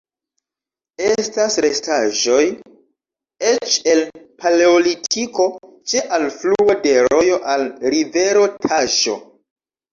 Estas restaĵoj eĉ el Paleolitiko, ĉe alfluo de rojo al rivero Taĵo.